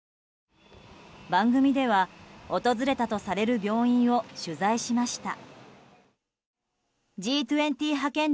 番組では、訪れたとされる病院を取材しました。